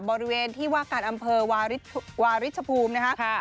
บริเวณที่วากันอำเภอวาริชภูมินะครับค่ะ